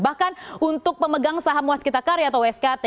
bahkan untuk pemegang saham waskitakarya atau wskt